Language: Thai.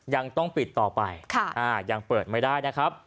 ยังต้องปิดต่อไปยังเปิดไม่ได้นะครับ